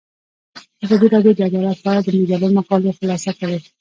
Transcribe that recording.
ازادي راډیو د عدالت په اړه د مجلو مقالو خلاصه کړې.